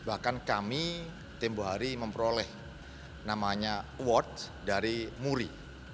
bahkan kami timbu hari memperoleh namanya award dari muri